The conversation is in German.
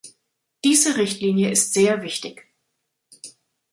Diese Richtlinie ist sehr wichtig.